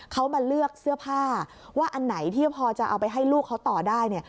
เขามาเลือกเสื้อผ้าว่าอันไหนที่พอจะเอาไปให้ลูกเขาต่อได้เนี่ย